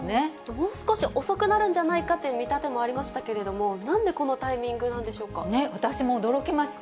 もう少し遅くなるんじゃないかという見立てもありましたけども、なんでこのタイミングなんで私も驚きました。